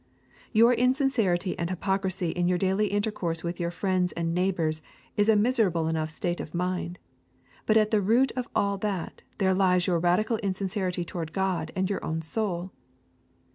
Your insincerity and hypocrisy in your daily intercourse with your friends and neighbours is a miserable enough state of mind, but at the root of all that there lies your radical insincerity toward God and your own soul.